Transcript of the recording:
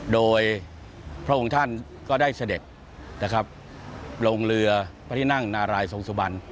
โดยพระองค์ท่านก็ได้เสด็จนะครับลงเรือพระที่นั่งนารายทรงสุบัน